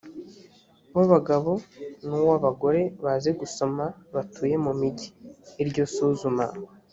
w abagabo n uw abagore bazi gusoma batuye mu migi iryo suzuma